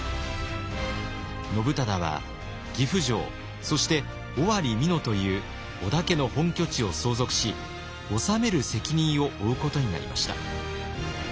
信忠は岐阜城そして尾張・美濃という織田家の本拠地を相続し治める責任を負うことになりました。